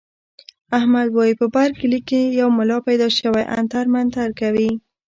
احمد وايي په بر کلي کې یو ملا پیدا شوی عنتر منتر کوي.